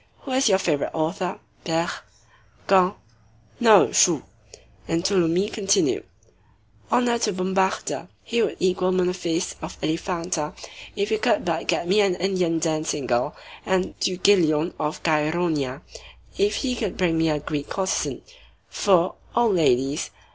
Who is your favorite author?" "Ber—" "Quin?" "No; Choux." And Tholomyès continued:— "Honor to Bombarda! He would equal Munophis of Elephanta if he could but get me an Indian dancing girl, and Thygelion of Chæronea if he could bring me a Greek courtesan; for, oh, ladies!